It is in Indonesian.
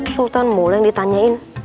sultan mulai ditanyain